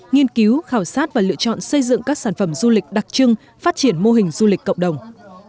nghiên cứu khảo sát và lựa chọn xây dựng các sản phẩm du lịch đặc trưng phát triển mô hình du lịch cộng đồng